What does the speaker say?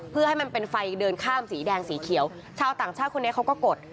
เพื่อให้มันเป็นไฟเดินข้ามสีแดงสีเขียวชาวต่างชาติคนนี้เขาก็กด